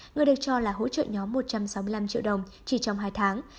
người được cho là hỗ trợ nhóm một trăm sáu mươi năm triệu đồng chỉ trong hai tháng